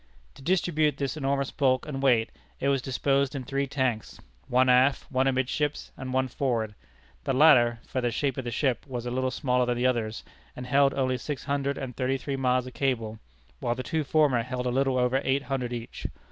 To distribute this enormous bulk and weight, it was disposed in three tanks one aft, one amidships, and one forward. The latter, from the shape of the ship, was a little smaller than the others, and held only six hundred and thirty three miles of cable, while the two former held a little over eight hundred each.